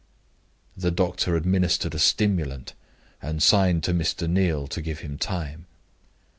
The doctor administered a stimulant, and signed to Mr. Neal to give him time.